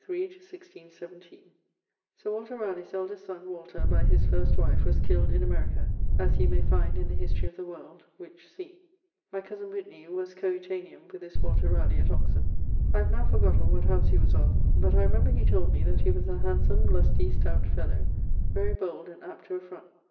Sir Walter Ralegh's eldest son, Walter, by his first wife, was killed in America, as you may find in the Historie of the World, which see. My cosen Whitney was coetanean with this Walter Ralegh at Oxon. I have now forgot of what house he was of: but I remember he told me that he was a handsome lusty stout fellow, very bold, and apt to affront.